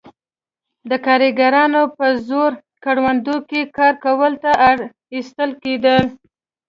دا کارګران په زور کروندو کې کار کولو ته اړ ایستل کېدل.